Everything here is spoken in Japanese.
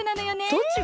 どっちが？